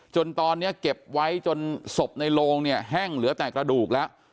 จนตอนนี้เก็บไว้จนศพในโลงเนี่ยแห้งเหลือแต่กระดูกแล้ว